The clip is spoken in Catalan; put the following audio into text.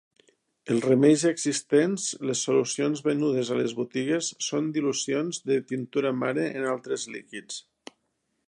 Els remeis existents –les solucions venudes a les botigues– són dilucions de tintura mare en altres líquids.